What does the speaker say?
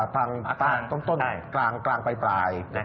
ตรงต้นกลางไปปลาย